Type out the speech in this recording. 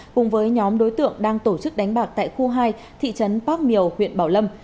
cùng với nhóm đối tượng đang tổ chức đánh bạc tại khu hai thị trấn bác miều huyện bảo lâm